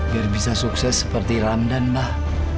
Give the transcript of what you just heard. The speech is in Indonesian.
biar bisa sukses seperti ramdan mbah